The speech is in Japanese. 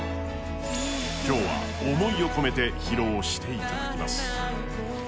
今日は思いを込めて披露していただきます。